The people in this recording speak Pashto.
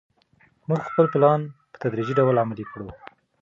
موږ به خپل پلان په تدریجي ډول عملي کړو.